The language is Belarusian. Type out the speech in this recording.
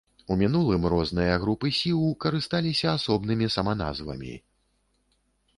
У мінулым розныя групы сіў карысталіся асобнымі саманазвамі.